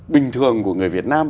bình thường của người việt nam